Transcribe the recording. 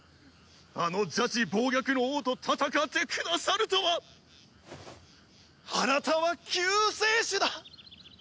あの邪智暴虐の王と戦ってくださるとはあなたは救世主だ！